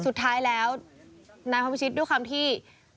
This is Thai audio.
สุดท้ายแล้วนายความพิชิตด้วยความที่